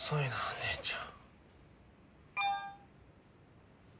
姉ちゃん。